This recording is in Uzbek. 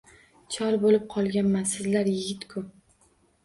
Chol bo’lib qolganman… Sizlar yigit-ku!